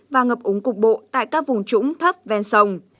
và ngập úng cục bộ tại các vùng trũng thấp ven sông